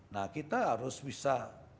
nah kita harus bisa